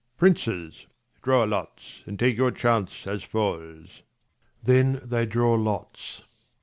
80 Princes, draw lots, and take your chance as falls. \Then they draw lots.